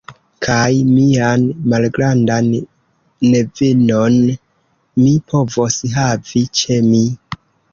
Kaj mian malgrandan nevinon mi povos havi ĉe mi?